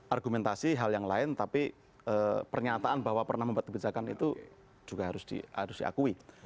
argumentasi hal yang lain tapi pernyataan bahwa pernah membuat kebijakan itu juga harus diakui